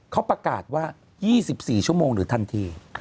เขาประกาศว่า๒๔ชั่วโมงหรือทันที